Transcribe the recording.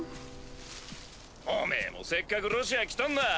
おめぇもせっかくロシア来たんだ。